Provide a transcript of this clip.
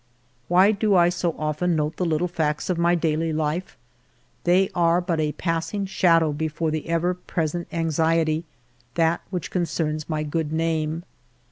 Why do I so often note the little facts of my daily life ? They are but a passing shadow be fore the ever present anxiety, that which concerns my good name.